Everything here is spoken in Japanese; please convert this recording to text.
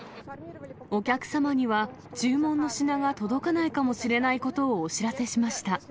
お客様には注文の品が届かないかもしれないことをお知らせしました。